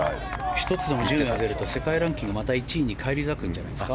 １つでも順位が上がると世界ランキング、また１位に返り咲くんじゃないですか？